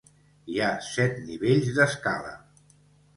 Hi ha set nivells d'escala.